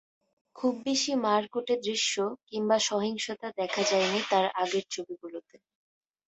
খুব বেশি মারকুটে দৃশ্য কিংবা সহিংসতা দেখা যায়নি তাঁর আগের ছবিগুলোতে।